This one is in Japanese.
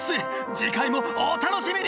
次回もお楽しみに！